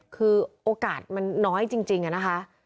คือโอกาสมันน้อยจริงอะนะคะ